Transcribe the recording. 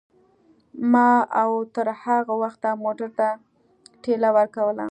ما او تر هغه وخته موټر ته ټېله ورکوله.